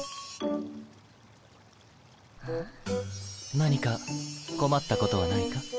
何か困ったことはないか？